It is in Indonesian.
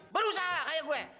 berusaha kayak gua